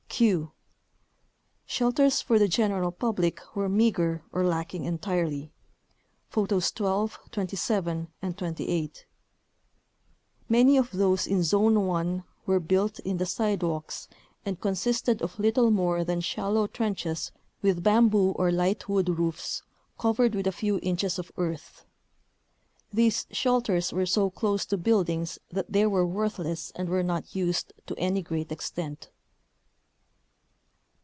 q. Shelters for the general public were meager or lacking entirely (Photos 12, 27 and 28) . Many of those in Zone 1 were built in the sidewalks and consisted of little more than shallow trenches with bamboo or light wood roofs covered with a few inches of earth. These shelters were so close to buildings that they were worthless and were not used to any great extent.